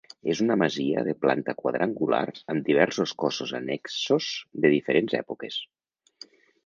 És una masia de planta quadrangular amb diversos cossos annexos de diferents èpoques.